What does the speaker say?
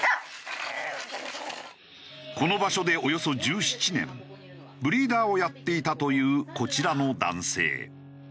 この場所でおよそ１７年ブリーダーをやっていたというこちらの男性。